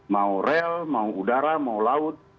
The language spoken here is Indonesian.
mau rel mau udara mau laut